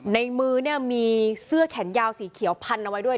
ในมือเนี่ยมีเสื้อแขนยาวสีเขียวพันเอาไว้ด้วย